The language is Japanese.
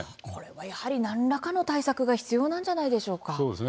やはり何らかの対策が必要なんじゃないでしょうか？